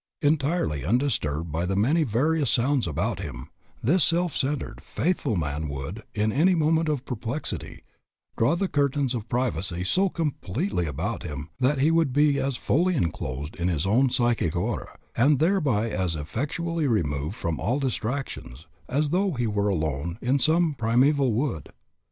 Entirely undisturbed by the many various sounds about him, this self centred, faithful man would, in any moment of perplexity, draw the curtains of privacy so completely about him that he would be as fully enclosed in his own psychic aura, and thereby as effectually removed from all distractions as though he were alone in some primeval wood.